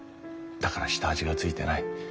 だから下味がついてない。